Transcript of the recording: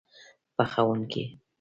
پخوونکی